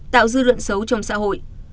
tạo dư luận xấu trong xã hội